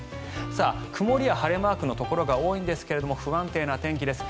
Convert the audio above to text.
曇りや晴れマークのところが多いんですけれども不安定な天気です。